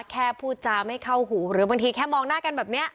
แค่พูดจำให้เข้าหูหรือเค้ามองหน้ากันแบบนี้